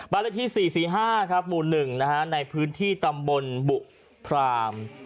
เลขที่๔๔๕ครับหมู่๑ในพื้นที่ตำบลบุพราม